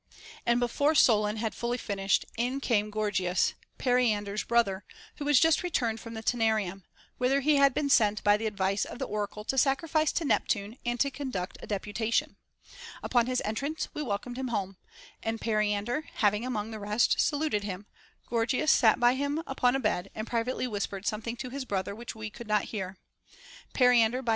And before Solon had fully finished, in came Gor gias, Periander's brother, who was just returned from Taenarnm, whither he had been sent by the advice of the oracle to sacrifice to Neptune and to conduct a deputation. Upon his entrance we welcomed him home ; and Perian der having among the rest saluted him, Gorgias sat by him upon a bed, and privately whispered something to his brother which we could not hear. Periander by his * n. v. 841.